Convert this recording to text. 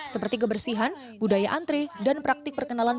seperti kebersihan budaya antri dan praktik perkenalan